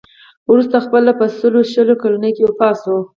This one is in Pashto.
وروسته خپله په سلو شل کلنۍ کې وفات شو.